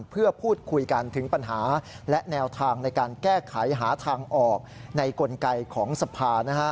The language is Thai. เพื่อพูดคุยกันถึงปัญหาและแนวทางในการแก้ไขหาทางออกในกลไกของสภา